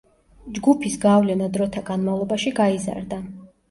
ჯგუფის გავლენა დროთა განმავლობაში გაიზარდა.